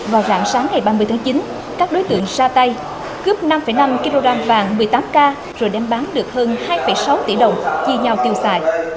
vào rạng sáng ngày ba mươi tháng chín các đối tượng ra tay cướp năm năm kg vàng một mươi tám k rồi đem bán được hơn hai sáu tỷ đồng chia nhau tiêu xài